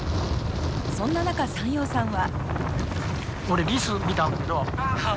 そんな中山陽さんは。